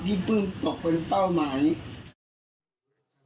ปื้มตกเป็นเป้าหมาย